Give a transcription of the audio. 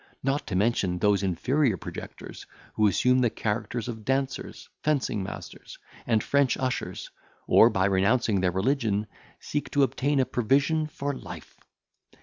Not to mention those inferior projectors, who assume the characters of dancers, fencing masters, and French ushers, or, by renouncing their religion, seek to obtain a provision for life.